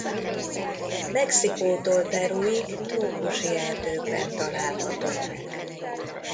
Mexikótól Peruig trópusi erdőkben található meg.